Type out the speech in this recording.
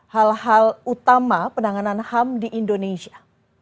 hal hal utama penanganan ham di indonesia